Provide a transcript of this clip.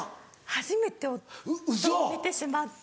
初めて見てしまって。